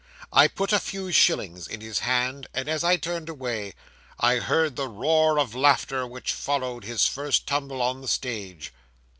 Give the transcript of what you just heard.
I put a few shillings in his hand, and as I turned away I heard the roar of laughter which followed his first tumble on the stage.